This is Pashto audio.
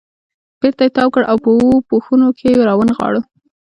بېرته یې تاو کړ او په اوو پوښونو کې یې را ونغاړه.